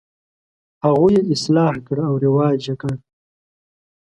هغوی یې اصلاح کړه او رواج یې کړ.